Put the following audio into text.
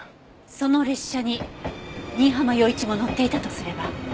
その列車に新浜陽一も乗っていたとすれば。